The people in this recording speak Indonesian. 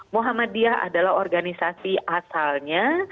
muhammadiyah adalah organisasi asalnya